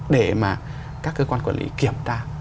để mà các cơ quan quản lý kiểm tra